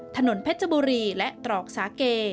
ถนนเพชรบุรีและตรอกสาเก